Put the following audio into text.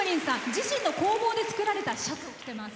自身の工房で作られたシャツを着てます。